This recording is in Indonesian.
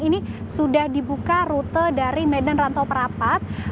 ini sudah dibuka rute dari medan rantau perapat